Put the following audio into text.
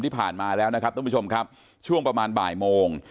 ที่ผ่านมาแล้วนะครับท่านผู้ชมครับช่วงประมาณบ่ายโมง